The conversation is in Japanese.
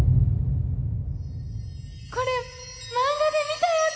これ漫画で見たやつ！